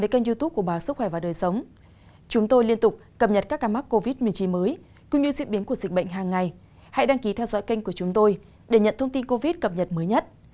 các bạn hãy đăng ký kênh của chúng tôi để nhận thông tin cập nhật mới nhất